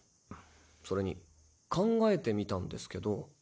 それに考えてみたんですけど。